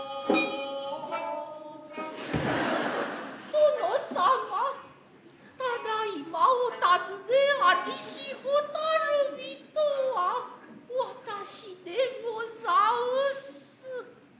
殿様ただいまおたづねありし蛍火とは私でござんす。